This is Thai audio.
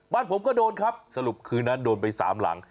บ้านผมก็โดนครับสรุปคืนนั้นโดนไปสามหลัง